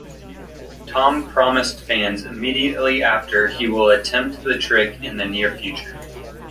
Tom promised fans immediately after he will attempt the trick in the near future.